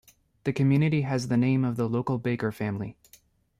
The community has the name of the local Baker family.